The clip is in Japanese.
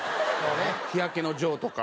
ひやけのジョーとか。